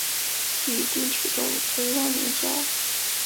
与丁取忠为忘年交。